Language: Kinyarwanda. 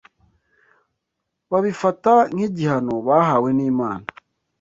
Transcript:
babifata nk’igihano bahanwe n’Imana.